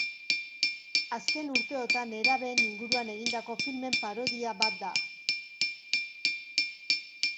Azken urteotan nerabeen inguruan egindako filmen parodia bat da.